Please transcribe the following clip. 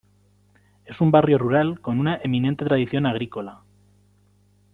Es un barrio rural con una eminente tradición agrícola.